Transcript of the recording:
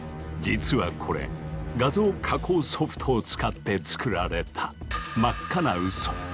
実はこれ画像加工ソフトを使って作られた真っ赤なウソ。